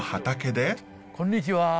こんにちは。